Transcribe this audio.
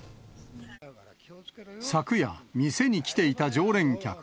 昨夜、店に来ていた常連客。